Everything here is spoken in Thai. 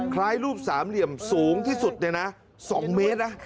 คล้ายรูปสามเหลี่ยมสูงที่สุดเนี่ยนะ๒เมตรนะ